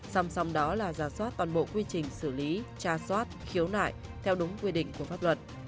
xong xong đó là ra soát toàn bộ quy trình xử lý tra soát khiếu nại theo đúng quy định của pháp luật